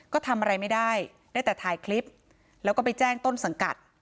ก็ทำอะไรไม่ได้ได้แต่ถ่ายคลิปแล้วก็ไปแจ้งต้นสังกัด